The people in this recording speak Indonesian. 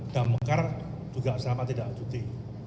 damkar juga sama tidak cuti